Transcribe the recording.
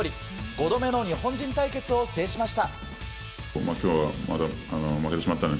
５度目の日本人対決を制しました。